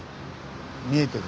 見えてる。